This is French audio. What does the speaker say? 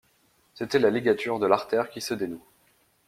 C’était la ligature de l’artère qui se dénoue.